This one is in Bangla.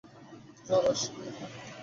জ্বরও আসছে বলে মনে হয়।